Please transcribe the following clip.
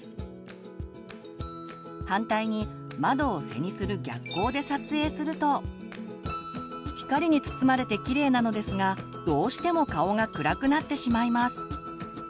反対に窓を背にする逆光で撮影すると光に包まれてきれいなのですがどうしても顔が暗くなってしまいます。